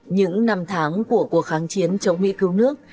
những năm tháng của cuộc kháng chiến chống mỹ cứu nước